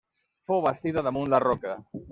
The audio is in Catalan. Fou bastida damunt la roca.